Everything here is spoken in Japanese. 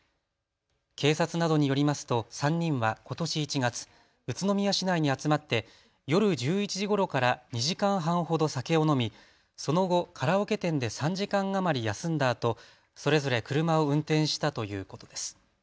警察などによりますと３人はことし１月、宇都宮市内に集まって夜１１時ごろから２時間半ほど酒を飲みその後、カラオケ店で３時間余り休んだあと、それぞれ車を運転したということです。